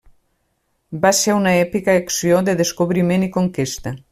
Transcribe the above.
Va ser una èpica acció de descobriment i conquesta.